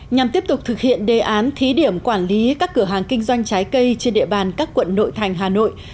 nhằm tiếp tục thực hiện đề án thí điểm quản lý các cửa hàng kinh doanh trái cây trên địa bàn các quận nội thành hà nội